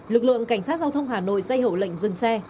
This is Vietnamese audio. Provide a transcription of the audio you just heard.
lực lượng cảnh sát giao thông hà nội dây hẩu lệnh dừng xe